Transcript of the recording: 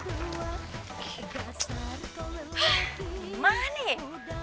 hah gimana nih